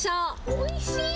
おいしい！